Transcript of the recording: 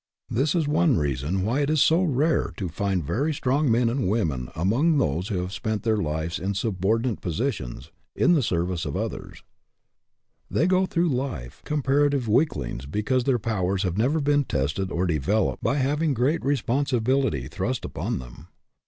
This is one reason why it is so rare to find very strong men and women among those who have spent their lives in subordinate positions, in the service of others. They go RESPONSIBILITY DEVELOPS 93 through life comparative weaklings because their powers have never been tested or devel oped by having great responsibility thrust up on them.